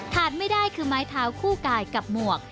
ไม่ได้คือไม้เท้าคู่กายกับหมวก